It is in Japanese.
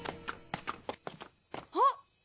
あっ！